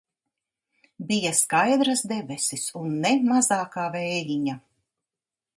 Bija skaidras debesis un ne mazākā vējiņa.